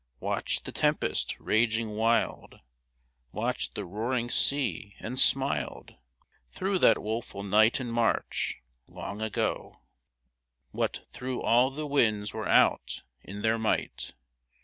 Watched the tempest raging wild, Watched the roaring sea — and smiled Through that woeful night in March, Loncf aso ! HILDA, SPINNING What though all the winds were out In their might